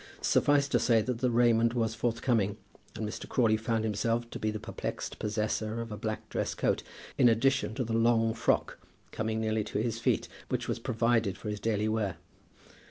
Suffice to say, the raiment was forthcoming, and Mr. Crawley found himself to be the perplexed possessor of a black dress coat, in addition to the long frock, coming nearly to his feet, which was provided for his daily wear.